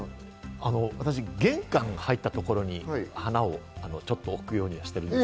私、玄関入ったところに花をちょっと置くようにしてるんです。